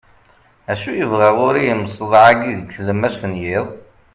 acu yebɣa ɣur-i umseḍḍeɛ-agi deg tlemmast n yiḍ